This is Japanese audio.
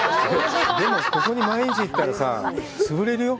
でも、ここに毎日行ったらさ、潰れるよ。